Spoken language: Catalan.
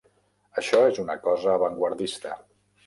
Això és una cosa avantguardista.